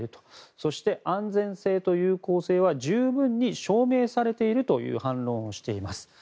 そして、安全性と有効性は十分に証明されているという反論をしています。